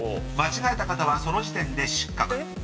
［間違えた方はその時点で失格。